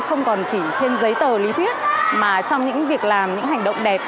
không còn chỉ trên giấy tờ lý thuyết mà trong những việc làm những hành động đẹp